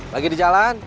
lagi di jalan